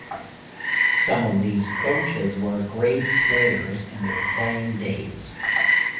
Some of these coaches were great players in their playing days.